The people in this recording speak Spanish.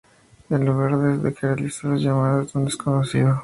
El lugar desde el que realizó las llamadas aún es desconocido.